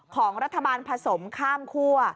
ของรัฐบาลผสมข้ามคั่ว